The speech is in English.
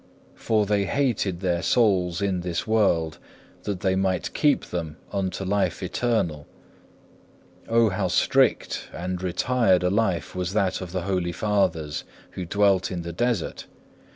For they hated their souls in this world that they might keep them unto life eternal. O how strict and retired a life was that of the holy fathers who dwelt in the desert!